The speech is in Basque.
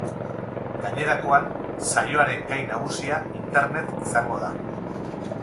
Gainerakoan, saioaren gai nagusia internet izango da.